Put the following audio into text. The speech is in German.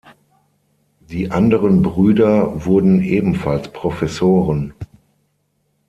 Die anderen Brüder wurden ebenfalls Professoren.